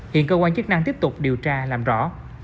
hiện cơ quan chức năng tiếp tục điều tra làm rõ